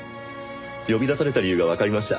呼び出された理由がわかりました。